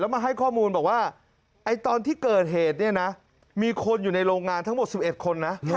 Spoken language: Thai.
มาให้ข้อมูลบอกว่าตอนที่เกิดเหตุเนี่ยนะมีคนอยู่ในโรงงานทั้งหมด๑๑คนนะ